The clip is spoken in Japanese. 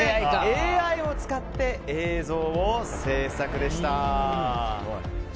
ＡＩを使って映像を制作でした。